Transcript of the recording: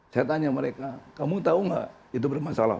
saya tanya mereka kamu tahu nggak itu bermasalah